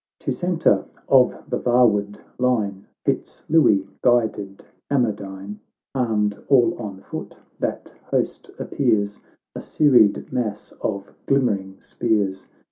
XII To centre of the vaward line Fitz Louis guided Amadine. Armed all on foot, that host appears A serried mass of glimmering spears.